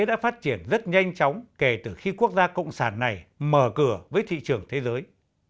đã phát triển rất nhanh chóng kể từ khi quốc gia cộng sản này mở cửa với thị trường thế giới